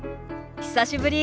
久しぶり。